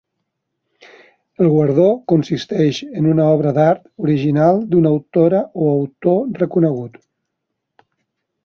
El guardó consisteix en una obra d'art original d'una autora o autor reconegut.